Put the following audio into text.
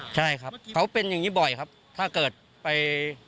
ใช่ครับเขาเป็นอย่างนี้บ่อยครับถ้าเกิดไป